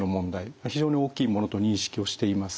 非常に大きいものと認識をしています。